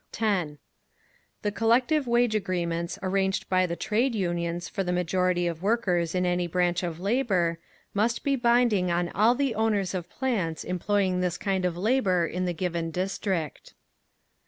10. The collective wage agreements arranged by the Trade Unions for the majority of workers in any branch of labour, must be binding on all the owners of plants employing this kind of labour in the given district.